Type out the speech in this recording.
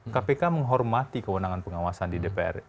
kpk menghormati kewenangan pengawasan di dpr